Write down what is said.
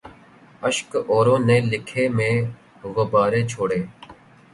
اشک اوروں نے لکھے مَیں نے غبارے چھوڑے